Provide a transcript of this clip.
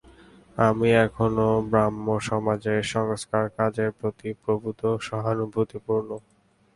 আমি এখনও ব্রাহ্মসমাজের সংস্কারকার্যের প্রতি প্রভূত সহানুভূতিপূর্ণ।